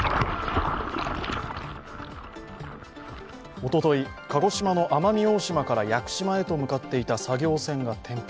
おととい、鹿児島の奄美大島から屋久島へと向かっていた作業船が転覆。